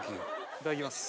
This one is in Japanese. いただきます。